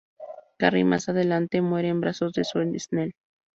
Carrie más adelante muere en brazos de Sue Snell.